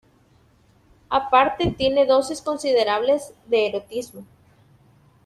Aparte tienen dosis considerables de erotismo.